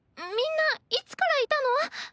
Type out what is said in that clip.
みんないつからいたの？